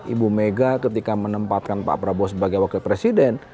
ibu mega ketika menempatkan pak prabowo sebagai wakil presiden